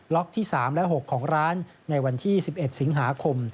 ที่๓และ๖ของร้านในวันที่๑๑สิงหาคม